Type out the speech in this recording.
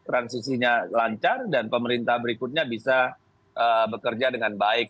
transisinya lancar dan pemerintah berikutnya bisa bekerja dengan baik